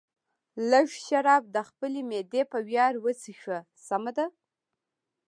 لږ شراب د خپلې معدې په ویاړ وڅښه، سمه ده.